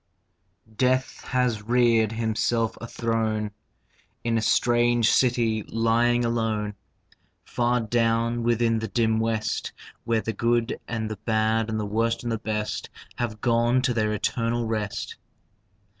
Death has reared himself a throne In a strange city lying alone Far down within the dim West, Where the good and the bad and the worst and the best Have gone to their eternal rest.